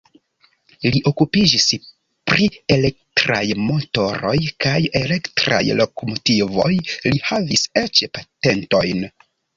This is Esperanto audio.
Li okupiĝis pri elektraj motoroj kaj elektraj lokomotivoj, li havis eĉ patentojn.